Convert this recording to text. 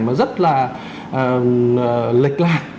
mà rất là lệch lạc